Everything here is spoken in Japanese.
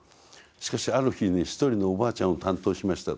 「しかしある日一人のおばあちゃんを担当しました。